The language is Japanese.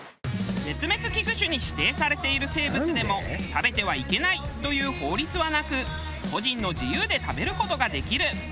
絶滅危惧種に指定されている生物でも食べてはいけないという法律はなく個人の自由で食べる事ができる。